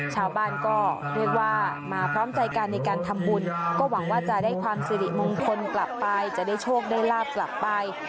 ชาวบ้านก็เรียกว่ามาพร้อมใจกันในการทำบุญก็หวังว่าจะได้ความสิริมงคลกลับไปจะได้โชคได้ลาบกลับไป